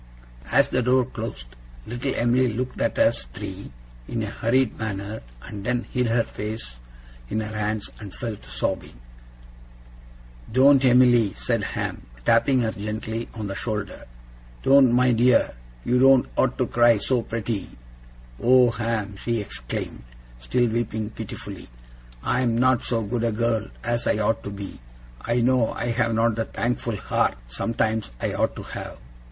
As the door closed, little Em'ly looked at us three in a hurried manner and then hid her face in her hands, and fell to sobbing. 'Doen't, Em'ly!' said Ham, tapping her gently on the shoulder. 'Doen't, my dear! You doen't ought to cry so, pretty!' 'Oh, Ham!' she exclaimed, still weeping pitifully, 'I am not so good a girl as I ought to be! I know I have not the thankful heart, sometimes, I ought to have!